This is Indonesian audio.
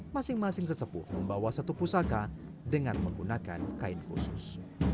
masing masing sesepuh membawa satu pusaka dengan menggunakan kain khusus